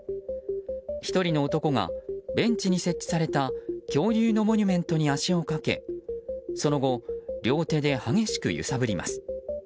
１人の男がベンチに設置された恐竜のモニュメントに足をかけその後両手で激しく揺さぶります。